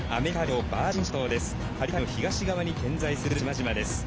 カリブ海の東側に点在する島々です。